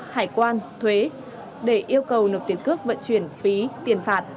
hải quan thuế để yêu cầu nộp tiền cước vận chuyển phí tiền phạt